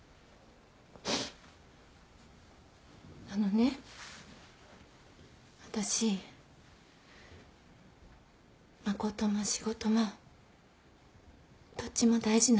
あのね私誠も仕事もどっちも大事なんだ。